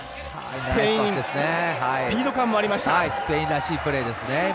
スペインらしいプレーですね。